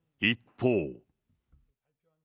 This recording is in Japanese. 一方。